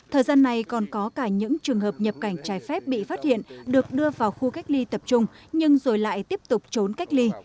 thời gian này còn có cả những trường hợp nhập cảnh trái phép bị phát hiện được đưa vào khu cách ly tập trung nhưng rồi lại tiếp tục trốn cách ly